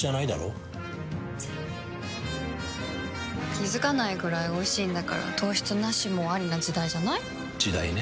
気付かないくらいおいしいんだから糖質ナシもアリな時代じゃない？時代ね。